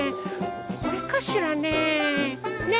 これかしらね？